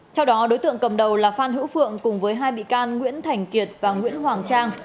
theo đó đối tượng cầm đầu là phan hữu phượng cùng với hai bị can nguyễn thành kiệt và nguyễn hoàng trang